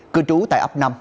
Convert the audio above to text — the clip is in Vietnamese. cư trú tại ấp nau